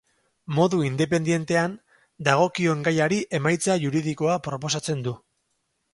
Modu independientean, dagokion gaiari emaitza juridikoa proposatzen du.